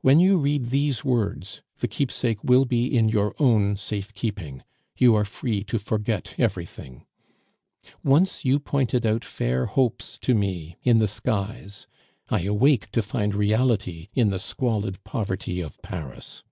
When you read these words the keepsake will be in your own safe keeping; you are free to forget everything. "Once you pointed out fair hopes to me in the skies, I awake to find reality in the squalid poverty of Paris.